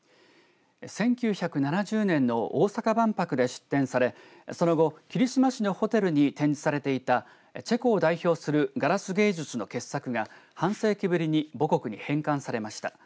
１９７０年の大阪万博で出展されその後、霧島市のホテルに展示されていたチェコを代表するガラス芸術の傑作が半世紀ぶりに母国に返還されました。